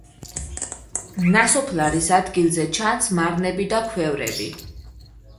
ნასოფლარის ადგილზე ჩანს მარნები და ქვევრები.